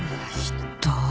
ひっどい。